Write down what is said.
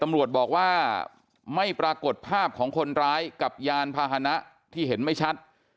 ตำรวจบอกว่าไม่ปรากฏภาพของคนร้ายกับยานพาหนะที่เห็นไม่ชัด